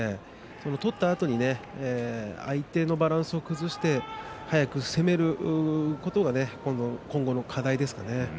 取ったあとに相手のバランスを崩して速く攻めることが今後の課題ですかね。